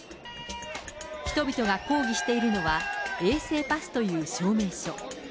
人々が抗議しているのは、衛生パスという証明書。